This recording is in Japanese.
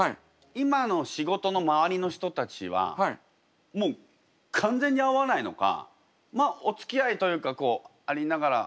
今の仕事の周りの人たちはもう完全に会わないのかまあおつきあいというかこうありながら。